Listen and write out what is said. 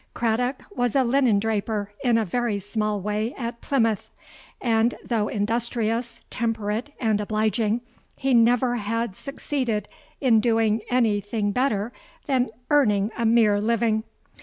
Craddock was a linen draper in a very small way at Plymouth: and though industrious, temperate, and obliging, he never had succeeded in doing any thing better than earning a mere living.